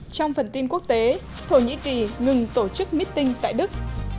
trong phần tin quốc tế thổ nhĩ kỳ ngừng tổ chức meeting tại đức